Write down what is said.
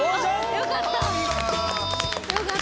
よかった。